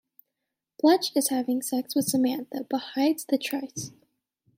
Bletch is having sex with Samantha, but hides the tryst.